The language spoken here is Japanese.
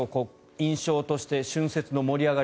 印象として春節の盛り上がり